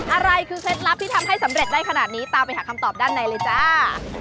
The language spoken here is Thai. อะไรคือเคล็ดลับที่ทำให้สำเร็จได้ขนาดนี้ตามไปหาคำตอบด้านในเลยจ้า